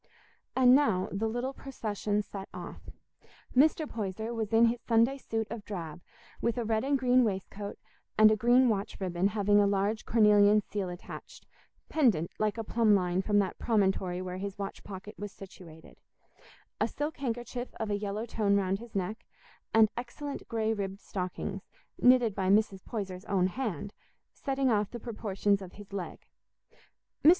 And now the little procession set off. Mr. Poyser was in his Sunday suit of drab, with a red and green waistcoat and a green watch ribbon having a large cornelian seal attached, pendant like a plumb line from that promontory where his watch pocket was situated; a silk handkerchief of a yellow tone round his neck; and excellent grey ribbed stockings, knitted by Mrs. Poyser's own hand, setting off the proportions of his leg. Mr.